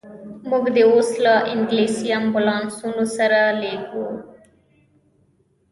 موږ دي اوس له انګلیسي امبولانسونو سره لېږو.